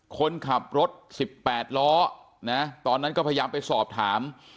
คนขับรถ๑๘ล้อนะตอนนั้นก็พยายามไปสอบถาม